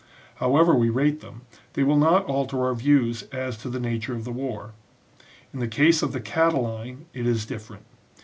However we rate them, they will not alter our views as to the nature of the war. In the case of the "Catiline" it is different.